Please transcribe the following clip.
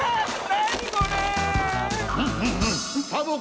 なにこれ⁉